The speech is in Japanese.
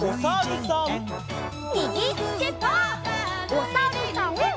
おさるさん。